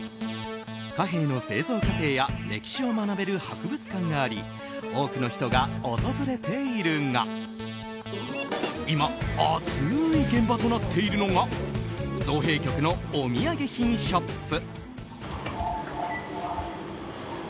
貨幣の製造過程や歴史を学べる博物館があり多くの人が訪れているが今、熱い現場となっているのが造幣局のお土産品ショップ。